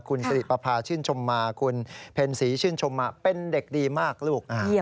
คุณสิริปภาชื่นชมมาคุณเพ็ญศรีชื่นชมมาเป็นเด็กดีมากลูก